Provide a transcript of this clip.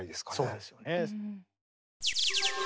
そうですよね。